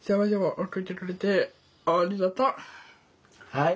はい。